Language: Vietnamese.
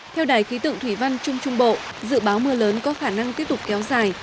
theo đài khí tượng thủy văn trung trung bộ dự báo mưa lớn có khả năng tiếp tục kéo dài